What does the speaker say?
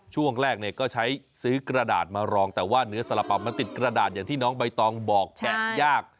ช่วงแรกเนี่ยก็ใช้ซื้อกระดาษมารองแต่ว่าเนื้อสละเป๋ามันติดกระดาษอย่างที่น้องใบตองบอกแกะยาก